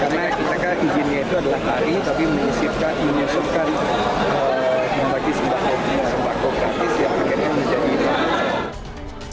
karena kita kan izinnya itu adalah menari tapi menyusupkan membagi sembako gratis yang akhirnya menjadi